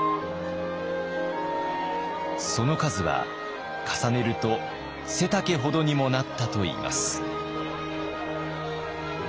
その数は重ねると背丈ほどにもなったといいます。